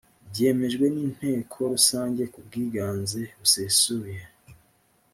byemejwe n inteko rusange ku bwiganze busesuye